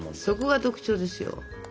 そこが特徴ですよ。